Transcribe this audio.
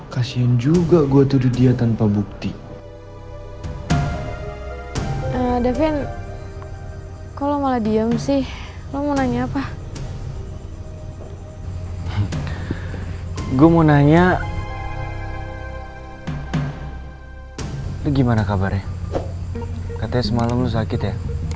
katanya semalam lo sakit ya